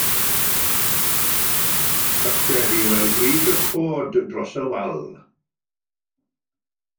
Gallai hi weld brig y coed dros y wal.